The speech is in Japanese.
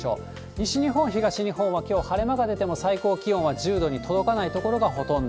西日本、東日本はきょう、晴れ間が出ても最高気温は１０度に届かない所がほとんど。